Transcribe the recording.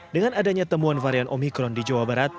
dengan adanya temuan varian omikron di jawa barat